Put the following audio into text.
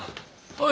はい。